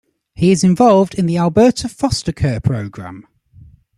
He is involved in the Alberta Foster Care Program.